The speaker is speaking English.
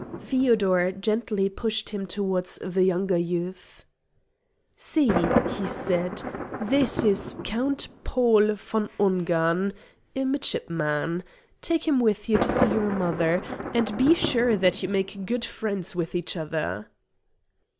Feodor gently pushed him towards the younger youth. "See," he said; "this is Count Paul von Ungern, a midshipman. Take him with you to see your mother; and be sure that you make good friends with each other."